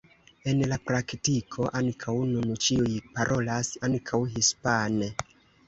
En la praktiko ankaŭ nun ĉiuj parolas ankaŭ hispane.